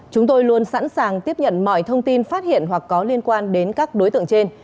chúng tôi luôn sẵn sàng tiếp nhận mọi thông tin phát hiện hoặc có liên quan đến các đối tượng trên